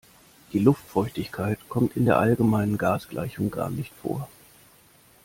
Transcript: Die Luftfeuchtigkeit kommt in der allgemeinen Gasgleichung gar nicht vor.